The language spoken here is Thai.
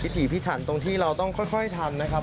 ถีพิถันตรงที่เราต้องค่อยทำนะครับ